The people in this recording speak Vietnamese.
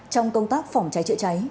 trong công tác phòng trái trợ trái